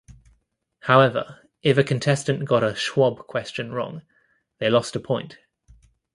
However, if a contestant got a Schwab question wrong, they lost a point.